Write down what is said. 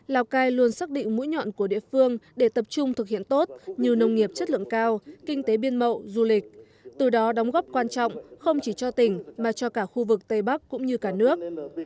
lào cai luôn xác định mũi nhọn của địa phương để tập trung thực hiện tốt như nông nghiệp chất lượng cao kinh tế biên mậu du lịch từ đó đóng góp quan trọng không chỉ cho tỉnh mà cho cả khu vực tây bắc cũng như cả nước